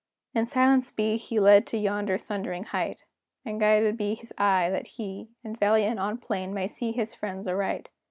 In silence be he led to yonder thundering height, And guided be his eye, that he, In valley and on plain, may see his friends aright.